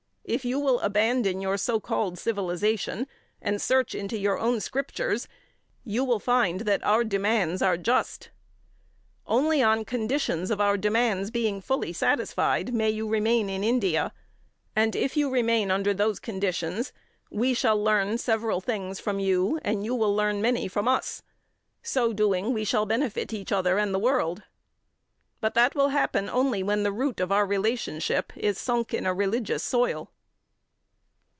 If you will abandon your so called civilization, and search into your own scriptures, you will find that our demands are just. Only on conditions of our demands being fully satisfied may you remain in India, and, if you remain under those conditions we shall learn several things from you, and you will learn many from us. So doing, we shall benefit each other and the world. But that will happen only when the root of our relationship is sunk in a religious soil."